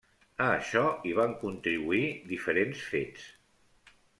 A això hi van contribuir diferents fets.